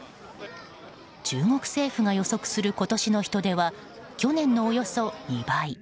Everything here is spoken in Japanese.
中国政府の予測する今年の人出は去年のおよそ２倍。